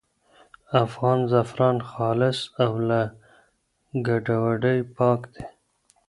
افغان زعفران خالص او له ګډوډۍ پاک دي.